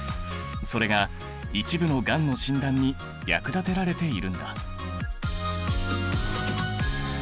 それが一部のがんの診断に役立てられているんだ。